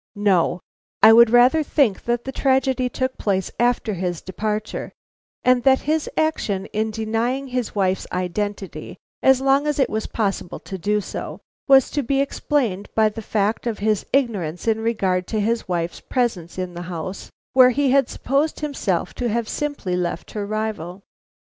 No, I would rather think that the tragedy took place after his departure, and that his action in denying his wife's identity, as long as it was possible to do so, was to be explained by the fact of his ignorance in regard to his wife's presence in the house where he had supposed himself to have simply left her rival.